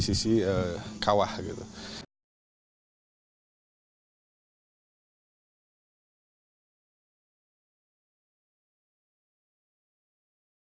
sisi kawah gitu